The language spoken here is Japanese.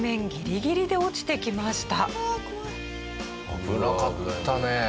危なかったね。